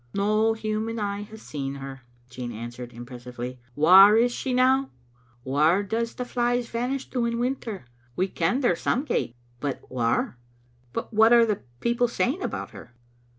"No human eye has seen her," Jean answered im pressively. " Whaur is she now? Whaur does the flies vanish to in winter? We ken they're some gait, but whaur?" " But what are the people saying about her?"